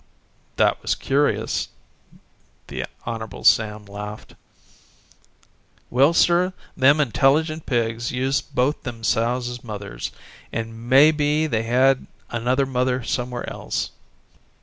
"That was curious." The Hon. Sam laughed: "Well, sir, them intelligent pigs used both them sows as mothers, and may be they had another mother somewhere else.